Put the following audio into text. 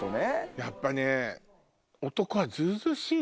やっぱね。